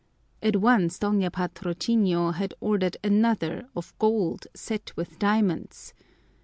At once Doña Patrocinio had ordered another of gold set with diamonds!